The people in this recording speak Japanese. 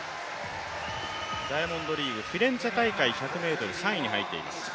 ダイヤモンドリーグ、フィレンツェ大会１００ｍ、３位に入っています。